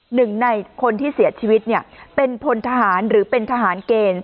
หนึ่งในคนที่เสียชีวิตเนี่ยเป็นพลทหารหรือเป็นทหารเกณฑ์